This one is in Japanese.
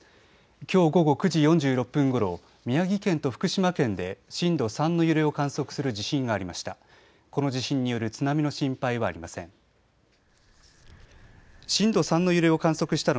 きょう午後９時４６分ごろ宮城県と福島県で震度３の揺れを観測する地震がありました。